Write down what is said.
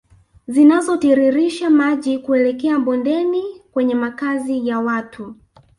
Zinazotiririsha maji kuelekea bondeni kwenye makazi ya watu